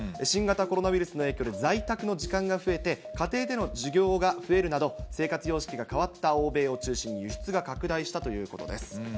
新型コロナウイルスの影響で、在宅の時間が増えて、家庭での需要が増えるなど、生活様式が変わった欧米を中心に輸出が拡大したということです。